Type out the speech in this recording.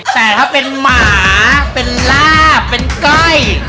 แต่ถ้าเป็นหมาเป็นลาบเป็นก้อย